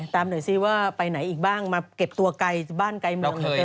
หน่อยสิว่าไปไหนอีกบ้างมาเก็บตัวไกลบ้านไกลเมืองเลย